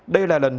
đây là lần